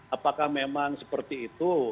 apakah memang seperti itu